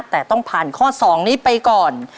แต่ต้องผ่านข้อ๒นี้ไปก่อน